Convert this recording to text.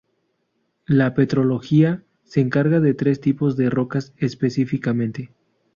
La petrología se encarga de tres tipos de rocas específicamente.